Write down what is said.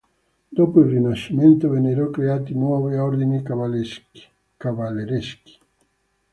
Dopo il Rinascimento vennero creati nuovi ordini cavallereschi.